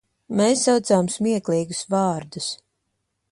Mēs saucām smieklīgus vārdus.